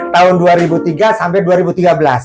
tahun dua ribu tiga sampai dua ribu tiga belas